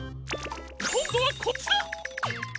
こんどはこっちだ！